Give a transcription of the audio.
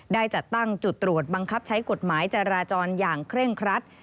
ได้จัดตั้งจุดตรวจบังคับใช้กฎหมายจราจรอย่างเคร่งครัด